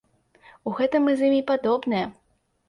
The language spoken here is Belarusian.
У гэтым мы з імі падобныя.